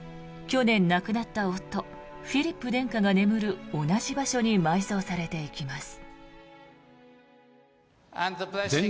去年亡くなった夫フィリップ殿下が眠る同じ場所に埋葬されていきます。